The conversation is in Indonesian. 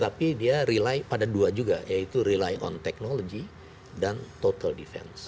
tapi dia rely pada dua juga yaitu rely on technology dan total defense